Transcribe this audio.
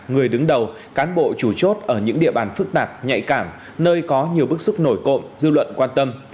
người đứng đầu cán bộ chủ chốt ở những địa bàn phức tạp nhạy cảm nơi có nhiều bức xúc nổi cộm dư luận quan tâm